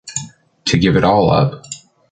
To give it all up.